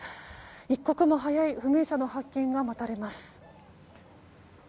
一刻も早い不明者の発見が待たれます。